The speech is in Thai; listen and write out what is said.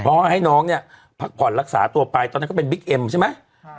เพราะว่าให้น้องเนี่ยพักผ่อนรักษาตัวไปตอนนั้นก็เป็นบิ๊กเอ็มใช่ไหม